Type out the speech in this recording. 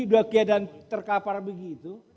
udah keadaan terkapar begitu